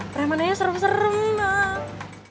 preman nya serem serem bang